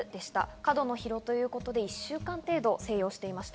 過度の疲労ということで１週間程度、静養していました。